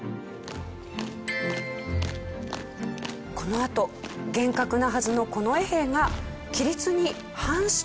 このあと厳格なはずの近衛兵が規律に反してしまいます。